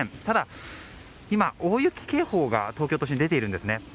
ただ、今、大雪警報が東京都心に出ているんですね。